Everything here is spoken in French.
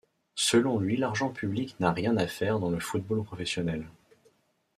Selon lui l'argent public n'a rien à faire dans le football professionnel.